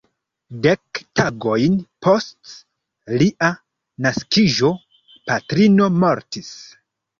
Dek tagojn post lia naskiĝo patrino mortis.